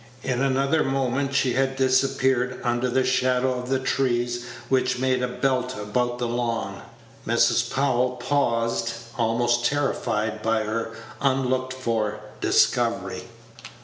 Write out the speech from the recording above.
In another moment she had disappeared under the shadow of the trees which made a belt about the lawn. Mrs. Powell paused, almost terrified by her unlooked for discovery.